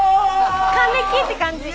還暦！って感じ。